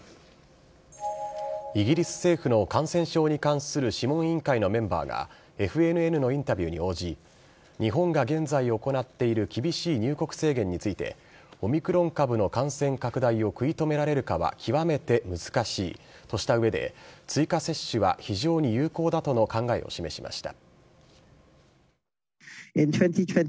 イギリス政府の感染症に関する諮問委員会のメンバーが、ＦＮＮのインタビューに応じ、日本が現在行っている厳しい入国制限について、オミクロン株の感染拡大を食い止められるかは極めて難しいとした上で、追加接種は非常に有効だとの考えを示しました。